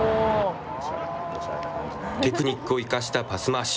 テクニックを生かしたパス回し。